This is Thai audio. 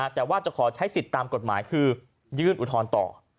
แต่ว่าจะขอใช้สิทธิ์ตามกฎหมายคือยื่นอุทธรณ์ต่อ